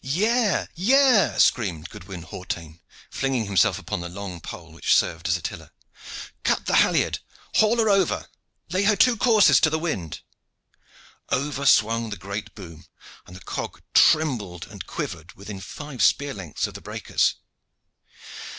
"Yare! yare!" screamed Goodwin Hawtayne, flinging himself upon the long pole which served as a tiller. "Cut the halliard! Haul her over! Lay her two courses to the wind!" Over swung the great boom, and the cog trembled and quivered within five spear lengths of the breakers.